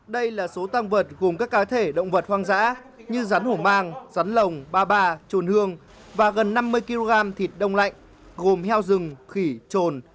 đây là số tăng vật gồm các cá thể động vật hoang dã như rắn hổ mang rắn lồng ba bà trồn hương và gần năm mươi kg thịt đông lạnh gồm heo rừng khỉ trồn